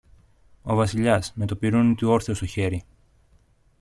Ο Βασιλιάς, με το πιρούνι του όρθιο στο χέρι